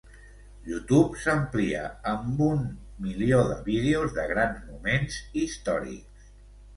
YouTube s'amplia amb un milió de vídeos de grans moments històrics.